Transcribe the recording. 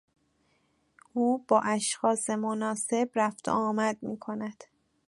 او با اشخاص مناسب رفت و آمد میکند.